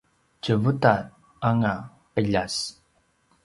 tjevuta anga qiljas